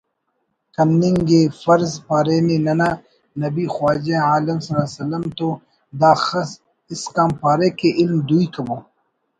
کننگءِ فرض پارینے ننا نبی خواجہ عالمؐ تو داخس اسکان پارے کہ علم دوئی کبو